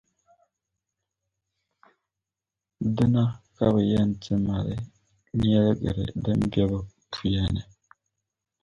Dina ka bɛ yɛn ti mali nyεlgiri din be bɛ puya ni.